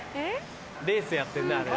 レースやってんなあれ。